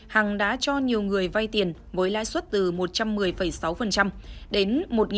hằng đã cho nhiều người vay tiền với lãi suất từ một trăm một mươi sáu đến một một trăm hai mươi tám